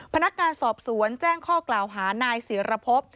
พนักงานสอบสวนแจ้งข้อกล่าวหานายศิรพบ